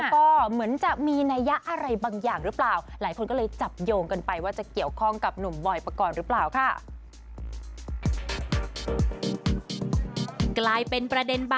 ไปทิ้งข้อความในอินสตาแกรม